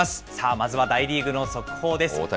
まずは大リーグの速報です。